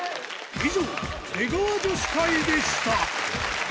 以上、出川女子会でした。